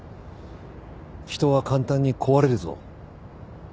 人は簡単に壊れるぞ。